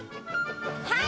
はい！